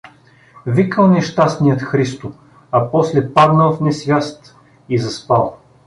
Викал нещастният Христо, а после паднал в несвяст и заспал.